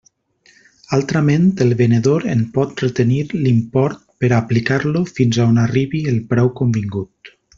Altrament, el venedor en pot retenir l'import per a aplicar-lo fins a on arribi el preu convingut.